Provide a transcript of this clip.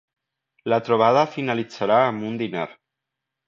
La trobada finalitzarà amb un dinar.